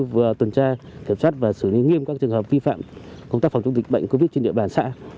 vừa tuần tra kiểm soát và xử lý nghiêm các trường hợp vi phạm công tác phòng chống dịch bệnh covid trên địa bàn xã